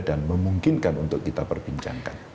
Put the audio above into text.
dan memungkinkan untuk kita perbincangkan